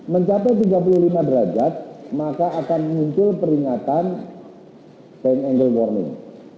mencapai tiga puluh lima derajat maka akan muncul peringatan bank angle warning